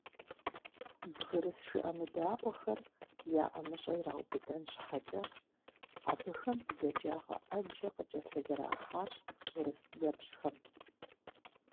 «Бгырыс жыӀэмыдаӀуэхэр» я ӀэмыщӀэ ираубыдэн щхьэкӀэ, абыхэм бзаджагъэ Ӏэджэ къыкӀэлъызэрахьащ урыс дзэпщхэм.